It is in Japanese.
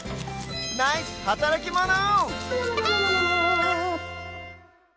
ナイスはたらきモノ！